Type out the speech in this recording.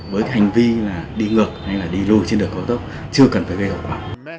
với cái hành vi là đi ngược hay là đi lùi trên đường cao tốc chưa cần phải gây hậu quả